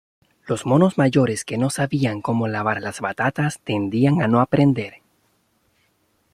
Los monos mayores que no sabían cómo lavar las batatas tendían a no aprender.